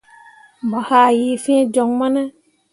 Mo haa yee fĩĩ joŋ mo ne ?